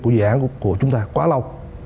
của dự án của chúng ta quá lâu